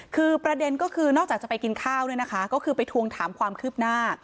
คือประเด็นก็คือนอกจากจะไปกินข้าวเนี่ยนะคะก็คือไปทวงถามความคืบหน้า